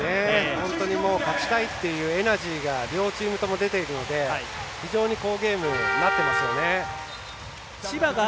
本当に勝ちたいというエナジーが両チームとも出ているので非常に好ゲームになっていますね。